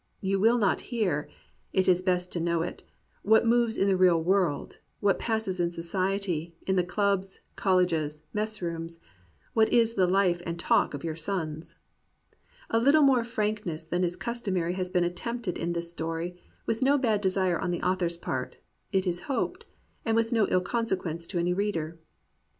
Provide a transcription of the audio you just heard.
You will not hear — it is best to know it — ^what moves in the real worid, what passes in society, in the clubs, colleges, mess rooms — what is the life and talk of your sons. A Uttle more frank ness than is customary has been attempted in this story; with no bad desire on the author's part, it is hoped, and with no ill consequence to any reader.